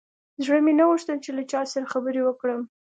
زړه مې نه غوښتل چې له چا سره خبرې وکړم.